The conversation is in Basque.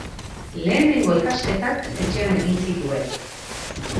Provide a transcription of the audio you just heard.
Lehenengo ikasketak etxean egin zituen.